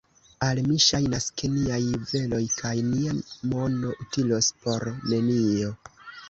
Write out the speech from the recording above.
Al mi ŝajnas, ke niaj juveloj kaj nia mono utilos por nenio.